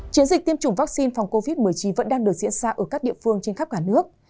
chiến dịch tiêm chủng vaccine phòng covid một mươi chín vẫn đang được diễn ra ở các địa phương trên khắp cả nước